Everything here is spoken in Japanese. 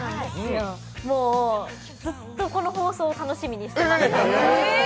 もうずっとこの放送を楽しみにしていました。